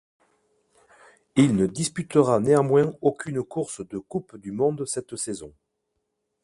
Il ne disputera néanmoins aucune course de Coupe du Monde cette saison.